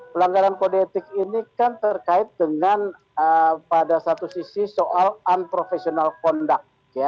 pelanggaran kode etik ini kan terkait dengan pada satu sisi soal unprofessional conduct